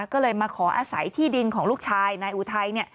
ก็เลยมาขออาศัยที่ดินของลูกชายนายอุทัย